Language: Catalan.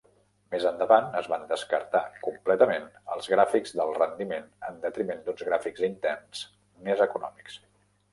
Més endavant, es van descartar completament els gràfics d'alt rendiment en detriment d'uns gràfics interns més econòmics.